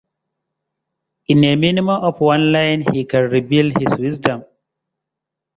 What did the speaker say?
In a minimum of one line he can reveal his wisdom.